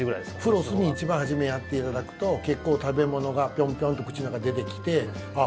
フロスを一番初めやっていただくと結構、食べ物がピョンピョンと口の中、出てきてああ